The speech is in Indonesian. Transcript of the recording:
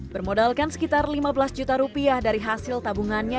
bermodalkan sekitar lima belas juta rupiah dari hasil tabungannya